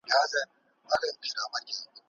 ښايسته اخلاق ولرئ.